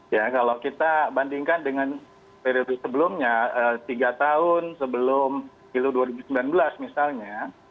ya kalau kita bandingkan dengan periode sebelumnya tiga tahun sebelum dua ribu sembilan belas misalnya